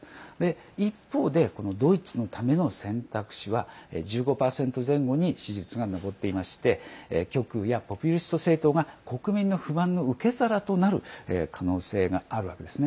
一方でドイツのための選択肢は１５％前後に支持率が上っていまして極右やポピュリスト政党が国民の不満の受け皿となる可能性があるわけですね。